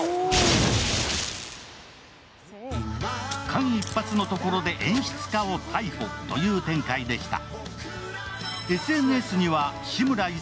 間一髪のところで演出家を逮捕という展開でした。